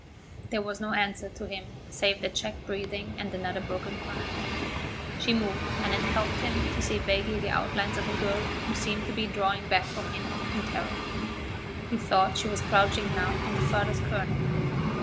There was no answer to him save the checked breathing and another broken cry. She moved, and it helped him to see vaguely the outlines of a girl who seemed to be drawing back from him in terror. He thought she was crouching now in the farthest corner.